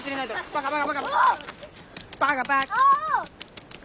バカバカ！